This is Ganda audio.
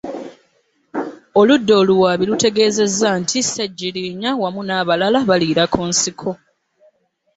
Oludda oluwaabi lutegeezezza nti Ssegirinya wamu n'abalala baliira ku nsiko.